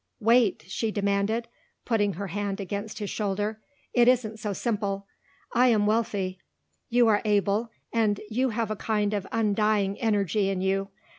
"Wait," she demanded, putting her hand against his shoulder. "It isn't so simple. I am wealthy. You are able and you have a kind of undying energy in you.